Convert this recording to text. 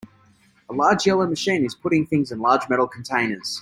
A large yellow machine is putting things in large metal containers.